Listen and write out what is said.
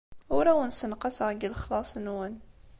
Ur awen-ssenqaseɣ deg lexlaṣ-nwen.